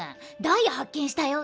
ダイヤ発見したよ。